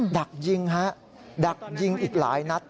ดักยิงฮะดักยิงอีกหลายนัด